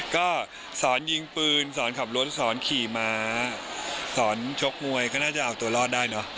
ก็สอนยิงปืนสอนขับรถสอนขี่ม้าสอนชกมวยก็น่าจะเอาตัวรอดได้เนอะ